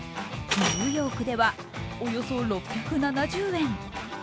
ニューヨークでは、およそ６７０円。